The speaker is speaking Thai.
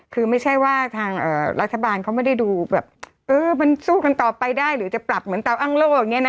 คือไม่ใช่ว่าทางรัฐบาลเขาไม่ได้ดูแบบเออมันสู้กันต่อไปได้หรือจะปรับเหมือนเตาอ้างโลกอย่างนี้นะ